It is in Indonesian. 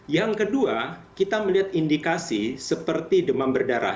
yang kedua kita melihat indikasi seperti demam berdarah